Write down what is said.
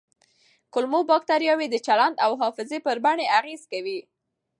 کولمو بکتریاوې د چلند او حافظې پر بڼې اغېز کوي.